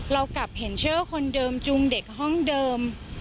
เรากลับเห็นชื่อคนเดิมจูงเด็กห้องเดิม